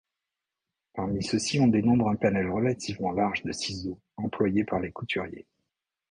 Parmi ceux-ci, on dénombre un panel relativement large de ciseaux employés par les couturiers.